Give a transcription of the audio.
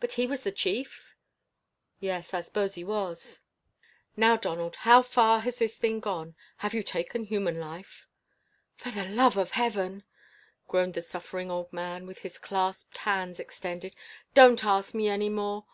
"But he was the chief?" "Yes, I s'pose he was." "Now, Donald, how far has this thing gone? Have you taken human life?" "For the love of heaven!" groaned the suffering old man, with his clasped hands extended, "don't ask me any more.